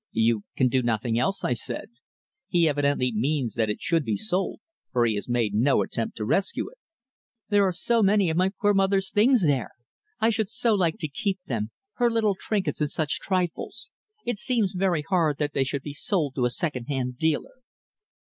"You can do nothing else," I said. "He evidently means that it should be sold, for he has made no attempt to rescue it." "There are so many of my poor mother's things there. I should so like to keep them her little trinkets and such trifles. It seems very hard that they should be sold to a second hand dealer."